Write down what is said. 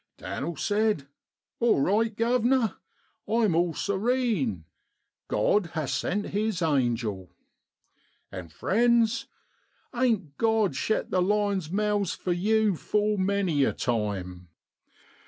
' Dan'l said, l Alright, guvner, I'm all serene, God ha' sent His angel /' And friends, ain't God shet the lions' mouths for yew full many a time